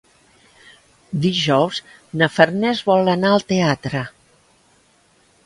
Dijous na Farners vol anar al teatre.